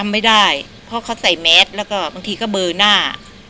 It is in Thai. ไม่ได้เพราะเขาใส่แมสแล้วก็บางทีก็เบอร์หน้า